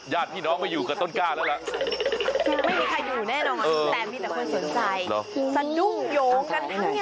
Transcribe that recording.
ญาติพี่น้องไม่อยู่กับต้นกล้าแล้วล่ะ